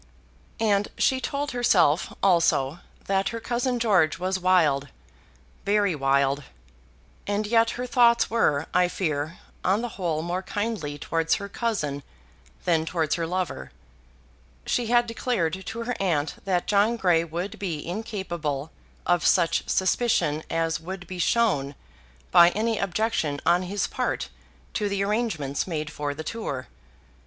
And she told herself, also, that her cousin George was wild, very wild. And yet her thoughts were, I fear, on the whole more kindly towards her cousin than towards her lover. She had declared to her aunt that John Grey would be incapable of such suspicion as would be shown by any objection on his part to the arrangements made for the tour.